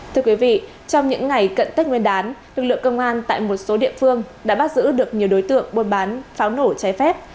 thưa quý vị trong những ngày cận tết nguyên đán lực lượng công an tại một số địa phương đã bắt giữ được nhiều đối tượng buôn bán pháo nổ trái phép